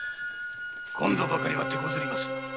今度ばかりは手こずりますな